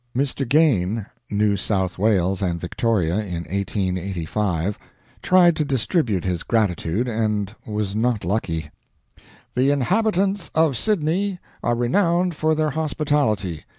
Mr. Gane ("New South Wales and Victoria in 1885 "), tried to distribute his gratitude, and was not lucky: "The inhabitants of Sydney are renowned for their hospitality.